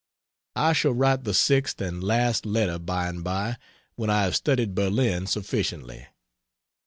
I shall write the 6th and last letter by and by when I have studied Berlin sufficiently.